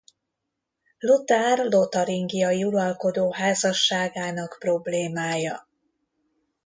Lothár lotaringiai uralkodó házasságának problémája.